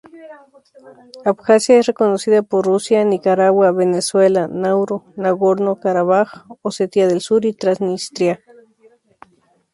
Abjasia es reconocida por Rusia, Nicaragua, Venezuela, Nauru, Nagorno-Karabaj, Osetia del Sur y Transnistria.